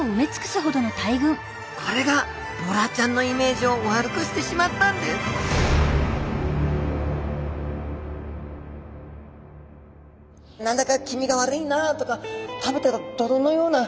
これがボラちゃんのイメージを悪くしてしまったんですそうなんだ。